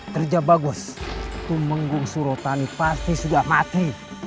kerja bagus tumenggung surotani pasti sudah mati